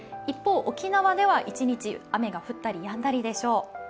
一方、沖縄では一日雨が降ったりやんだりでしょう。